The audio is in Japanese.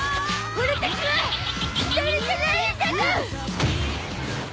オラたちは１人じゃないんだゾ！